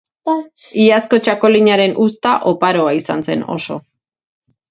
Iazko txakolinaren uzta oparoa izan zen oso.